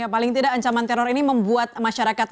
paling tidak ancaman teror ini membuat masyarakat